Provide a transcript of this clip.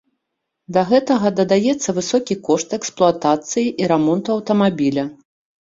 Да гэтага дадаецца высокі кошт эксплуатацыі і рамонту аўтамабіля.